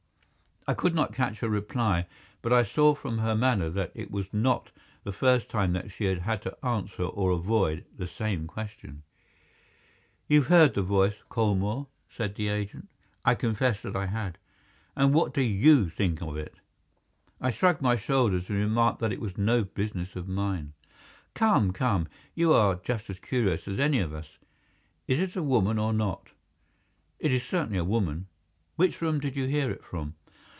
I could not catch her reply, but I saw from her manner that it was not the first time that she had had to answer or avoid the same question. "You've heard the voice, Colmore?" said the agent. I confessed that I had. "And what do YOU think of it?" I shrugged my shoulders, and remarked that it was no business of mine. "Come, come, you are just as curious as any of us. Is it a woman or not?" "It is certainly a woman." "Which room did you hear it from?"